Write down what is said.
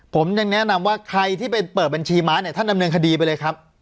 ผมยังแนะนำว่าใครที่ไปเปิดบัญชีม้าเนี่ยท่านดำเนินคดีไปเลยครับ